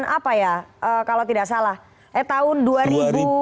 apa ya kalau tidak salah eh tahun dua ribu lima belas ya